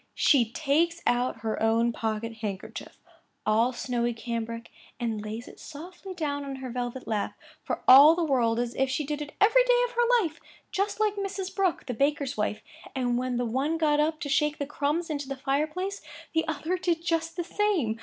She takes out her own pocket handkerchief, all snowy cambric, and lays it softly down on her velvet lap, for all the world as if she did it every day of her life, just like Mrs. Brooke, the baker's wife; and when the one got up to shake the crumbs into the fire place, the other did just the same.